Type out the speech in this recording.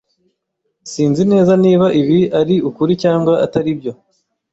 Sinzi neza niba ibi ari ukuri cyangwa atari byo.